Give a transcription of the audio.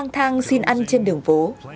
lang thang xin ăn trên đường phố